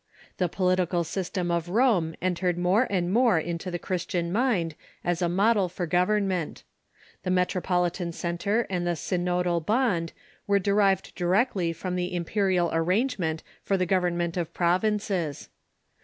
The political system of Rome entered more and more into the Christian mind as a model for government. The metropoli tan centre and the synodal bond were derived directly from the imperial arrangement for the government of provinces.